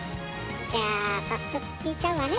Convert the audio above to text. じゃあ早速聞いちゃうわね。